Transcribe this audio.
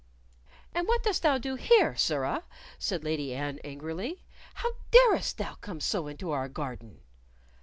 "And what dost thou do here, sirrah?" said Lady Anne, angrily. "How darest thou come so into our garden?"